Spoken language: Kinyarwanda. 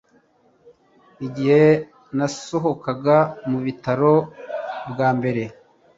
Igihe nasohokaga mu bitaro bwa mbere